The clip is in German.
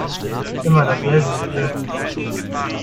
Immer dasselbe mit dir.